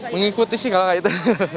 mengikuti sih kalau kayak gitu